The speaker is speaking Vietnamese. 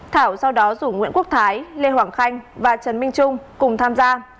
thảo sau đó rủ nguyễn quốc thái lê hoàng khanh và trần minh trung cùng tham gia